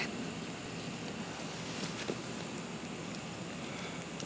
ngobrol sama aku disini ga suka ya